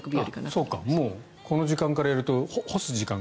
そうかこの時間からやると干す時間が。